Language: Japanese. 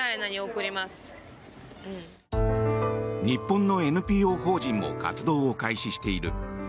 日本のＮＰＯ法人も活動を開始している。